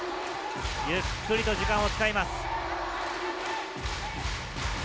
ゆっくりと時間を使います。